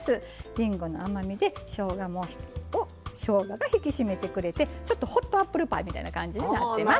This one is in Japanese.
りんごの甘みでしょうがが引き締めてくれてちょっとホットアップルパイみたいな感じになってます。